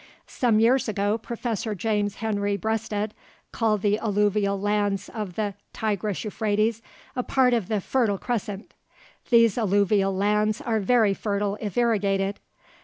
Some years ago Professor James Henry Breasted called the alluvial lands of the Tigris Euphrates a part of the "fertile crescent." These alluvial lands are very fertile if irrigated.